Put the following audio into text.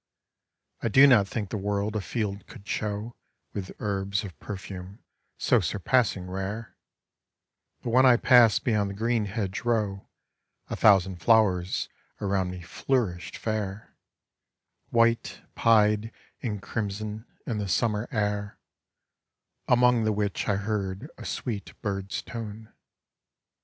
I do not think the world a field could show With herbs of perfume so surpassing rare; But when I passed beyond the green hedge row, A thousand flowers around me flourished fair, White, pied and crimson, in the summer air; Among the which I heard a sweet bird's tone.